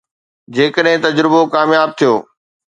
جيڪڏهن تجربو ڪامياب ٿيو